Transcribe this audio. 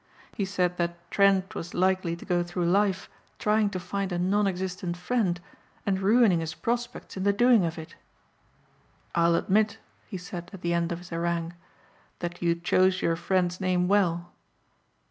He said that Trent was likely to go through life trying to find a non existent friend and ruining his prospects in the doing of it. "I'll admit," he said at the end of his harangue, "that you choose your friend's name well."